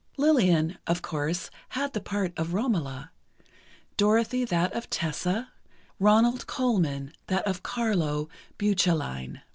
Lillian, of course, had the part of Romola, Dorothy that of Tessa, Ronald Colman that of Carlo Bucelline.